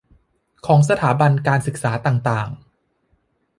ของสถาบันการศึกษาต่างต่าง